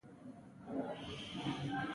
د ځنګلونو پرېکول د اکوسیستم توازن له منځه وړي.